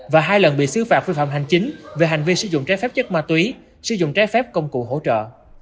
và hai lần bị xứ phạt vi phạm hành chính về hành vi sử dụng trái phép chất ma túy sử dụng trái phép công cụ hỗ trợ